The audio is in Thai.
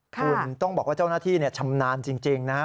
คุณต้องบอกว่าเจ้าหน้าที่ชำนาญจริงนะครับ